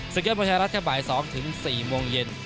สิงค์เกิดมันเทศบ่าย๒๔โมงเย็น